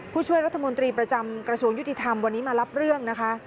ผู้ช่วยรัฐมนตรีประจำกระทรวงยุติธรรมวันนี้มารับเรื่องนะคะ